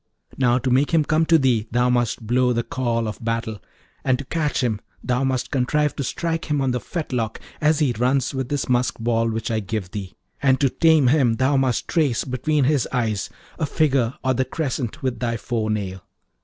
Now, to make him come to thee thou must blow the call of battle, and to catch him thou must contrive to strike him on the fetlock as he runs with this musk ball which I give thee; and to tame him thou must trace between his eyes a figure or the crescent with thy forenail.